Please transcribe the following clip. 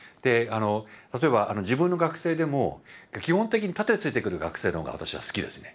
例えば自分の学生でも基本的に盾ついてくる学生の方が私は好きですね。